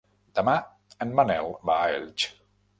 Demà en Manel va a Elx.